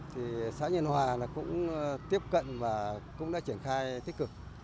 thì xã nhân hòa cũng tiếp cận và cũng đã triển khai tích cực